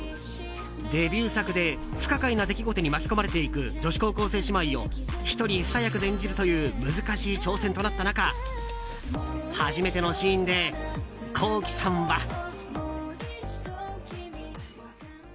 デビュー作で不可解な出来事に巻き込まれていく女子高校生姉妹を１人２役で演じるという難しい挑戦となった中初めてのシーンでＫｏｋｉ，さんは。